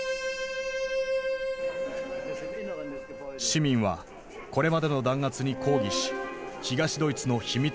市民はこれまでの弾圧に抗議し東ドイツの秘密